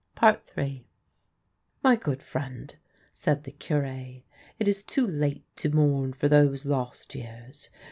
Ill " My good friend," said the Cure, '' it is too late to mourn for those lost years.